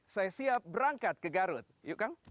saya siap berangkat ke garut yuk kang